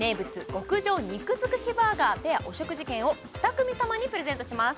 極上肉づくしバーガーペアお食事券を２組さまにプレゼントします